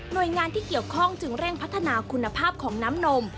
โดยงานที่เกี่ยวข้องจึงเร่งพัฒนาคุณภาพของน้ำนม